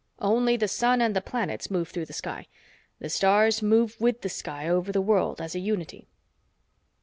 Only the sun and the planets move through the sky. The stars move with the sky over the world as a unity."